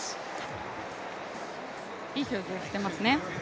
いい表情をしていますね。